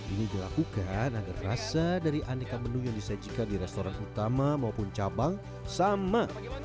ini dilakukan agar rasa dari aneka menu yang disajikan di restoran utama maupun cabang sama